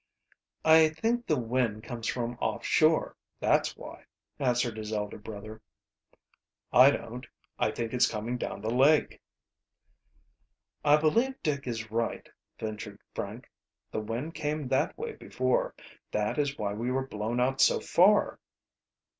"I think the wind comes from off shore, that's why," answered his elder brother. "I don't. I think it's coming down the lake." "I believe Dick is right," ventured Frank. "The wind came that way before that is why we were blown out so far."